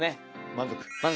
満足？